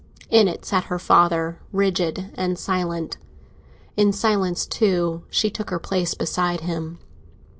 In it sat her father, rigid and silent; in silence, too, she took her place beside him.